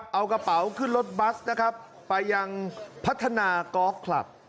เอากระเป๋าขึ้นรถบัสนะครับไปยังพัฒนากอล์ฟคลับ